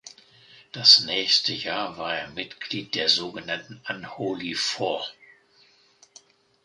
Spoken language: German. Das nächste Jahr war er Mitglied der sogenannten "Unholy Four".